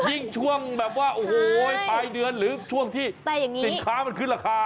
ยิ่งช่วงแบบว่าโอ้โหปลายเดือนหรือช่วงที่สินค้ามันขึ้นราคา